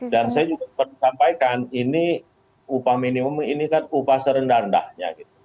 dan saya juga perlu sampaikan ini upah minimum ini kan upah serendah rendahnya